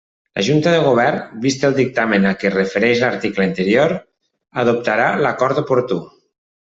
La Junta de Govern, vist el dictamen a què es refereix l'article anterior, adoptarà l'acord oportú.